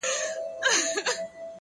باور کمزوری وي نو حرکت ماتېږي.!